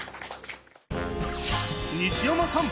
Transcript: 西山さん